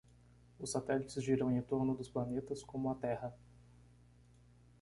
Os satélites giram em torno dos planetas como a Terra.